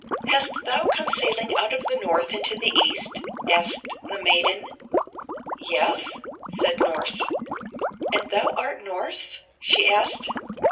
"Hast thou come sailing out of the North into the East?" asked the maiden. "Yes," said Norss. "And thou art Norss?" she asked.